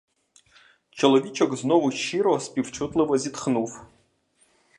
Чоловічок знову щиро, співчутливо зітхнув.